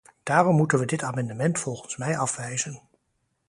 Daarom moeten we dit amendement volgens mij afwijzen.